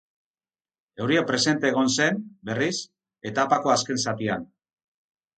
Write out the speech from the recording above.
Euria presente egon zen, berriz, etapako azken zatian.